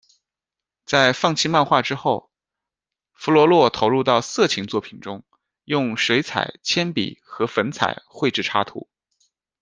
在放弃漫画之后，弗罗洛投入到色情作品中，用水彩、铅笔和粉彩绘制插图。